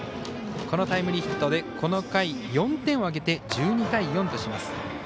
このタイムリーヒットでこの回、４点を挙げて１２対４とします。